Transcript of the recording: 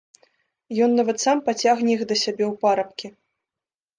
Ён нават сам пацягне іх да сябе ў парабкі.